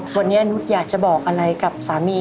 วันนี้นุษย์อยากจะบอกอะไรกับสามี